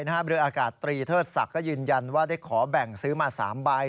เรืออากาศตรีเทิดศักดิ์ก็ยืนยันว่าได้ขอแบ่งซื้อมา๓ใบ